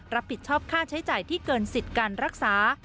รับผิดชอบค่าใช้จ่ายที่เกินสิทธิ์การรักษา